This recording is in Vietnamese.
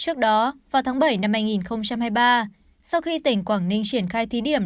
trước đó vào tháng bảy năm hai nghìn hai mươi ba sau khi tỉnh quảng ninh triển khai thí điểm